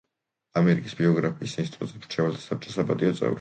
ამერიკის ბიოგრაფიის ინსტიტუტის მრჩეველთა საბჭოს საპატიო წევრი.